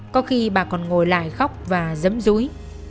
có khi bà còn ngồi lại khóc và dấm rúi